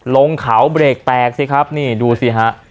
ลงเขาเบรกแตกสิครับนี่ดูสิฮะ